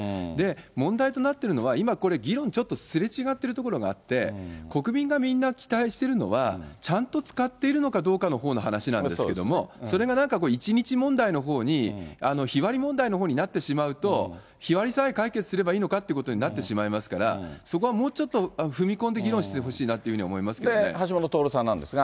問題となっているのは、今、これ議論、ちょっとすれ違っているところがあって、国民がみんな期待しているのは、ちゃんと使っているのかどうかのほうの話なんですけども、それが１日問題のほうに、日割り問題のほうになってしまうと、日割りさえ解決すればいいのかっていうことになってしまいますから、そこはもうちょっと踏み込んで議論してほしいなというふうに橋下徹さんなんですが。